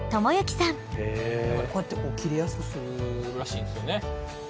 こうやって切れやすくするらしいんですよね。